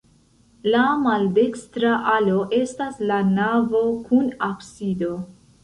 La maldekstra alo estas la navo kun absido.